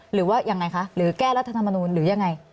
หรือว่ายังไงคะหรือแก้รัฐธรรมนูลหรือยังไง